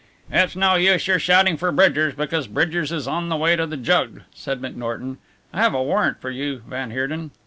"It's no use your shouting for Bridgers because Bridgers is on the way to the jug," said McNorton. "I have a warrant for you, van Heerden."